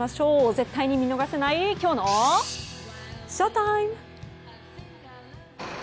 絶対に見逃せないきょうのＳＨＯＴＩＭＥ。